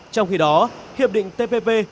trong khi đó hiệp định tpp